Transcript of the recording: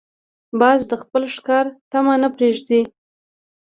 باز د خپل ښکار طمع نه پرېږدي